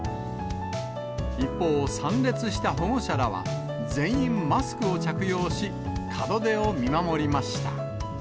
一方、参列した保護者らは全員マスクを着用し、門出を見守りました。